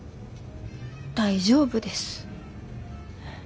大丈夫です。